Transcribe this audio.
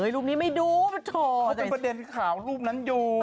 โอ๊ยรูปนี้ไม่ดูประโชว์เขาเป็นประเด็นข่าวรูปนั้นอยู่